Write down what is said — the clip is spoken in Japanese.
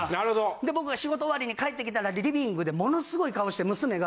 で僕が仕事終わりに帰ってきたらリビングでものすごい顔して娘が。